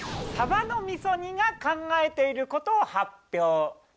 さばの味噌煮が考えていることを発表。